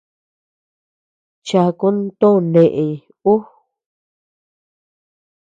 Chakun to neʼëñ uu.